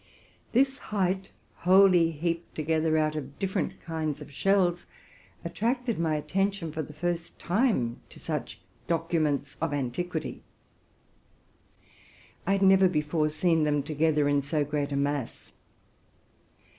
This height, wholly heaped together out of different kinds of shells, at. tracted my attention for the first time to such documents of antiquity : I had never before seen them together in so great amass.